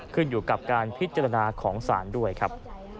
ขึ้นอยู่กับการพิจารณาของศาลด้วยครับ